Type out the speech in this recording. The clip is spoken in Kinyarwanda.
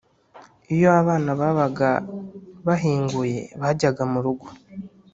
Iyo abana babaga bahinguye, bajyaga mu rugo,